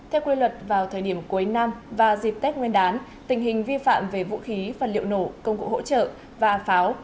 theo quy luật vào thời điểm cuối năm và dịp tết nguyên đán tình hình vi phạm về vũ khí vật liệu nổ công cụ hỗ trợ và pháo